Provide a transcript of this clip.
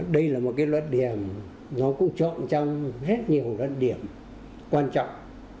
đây là một cái luận điểm nó cũng trộm trong hết nhiều luận điểm quan trọng